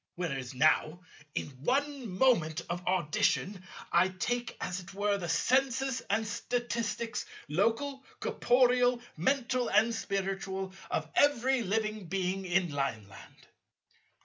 Whereas now, in one moment of audition, I take as it were the census and statistics, local, corporeal, mental and spiritual, of every living being in Lineland.